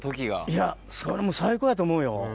いやそれもう最高やと思うよ。